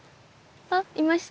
あっいました。